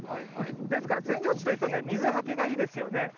ですから扇状地というとね、水はけがいいですよね。